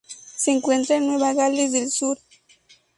Se encuentra en Nueva Gales del Sur.